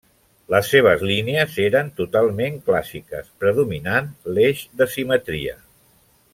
Les seves línies eren totalment clàssiques predominant l'eix de simetria.